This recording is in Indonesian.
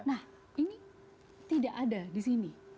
nah ini tidak ada di sini